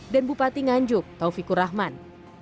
dan bupati nganjuk taufikur rahman